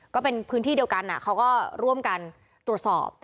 ก็เป็นพื้นที่เดียวกันเขาก็ร่วมกันตรวจสอบ